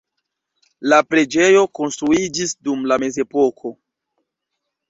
La preĝejo konstruiĝis dum la mezepoko.